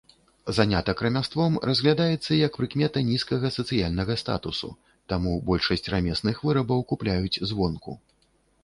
Занятак рамяством разглядаецца як прыкмета нізкага сацыяльнага статусу, таму большасць рамесных вырабаў купляюць звонку.